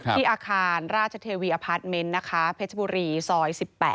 ที่อาคารราชเทวีอพาร์ทเมนต์นะคะเพชรบุรีซอย๑๘